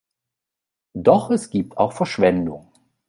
Doch es gibt auch Verschwendung.